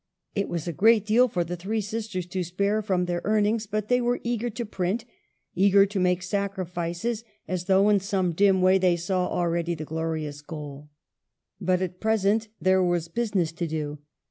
It was a great deal for the three sisters to spare from their earnings, but they were eager to print, eager to make sacrifices, as though in some dim way they saw already the glorious goal. But at present there was business to do.